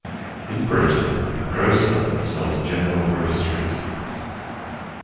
In Britain, a grocer sells general groceries